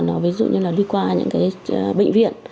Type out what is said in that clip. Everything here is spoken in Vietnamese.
nó ví dụ như là đi qua những cái bệnh viện